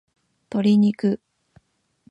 鶏肉